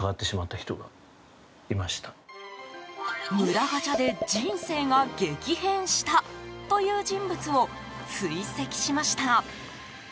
村ガチャで人生が激変したという人物を追跡しました。